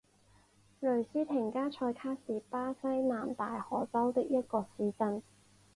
雷斯廷加塞卡是巴西南大河州的一个市镇。